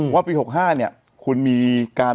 ว่าปี๖๕เนี่ยคุณมีการ